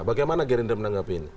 bagaimana gerindra menanggapi ini